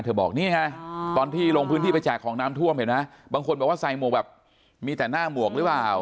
เธอบอกตอนที่ลงพื้นที่ไปใจของน้ำท่วมบางคนบอกว่าใส่หมวกแบบมีแต่หน้าหมวกรึเปล่า